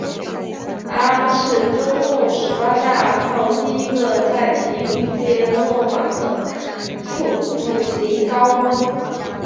他是中共十八大后第一个在体育界落马的副部级高官。